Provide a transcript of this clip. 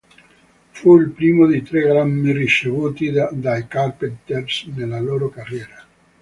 Fu il primo di tre Grammy ricevuti dai Carpenters nella loro carriera.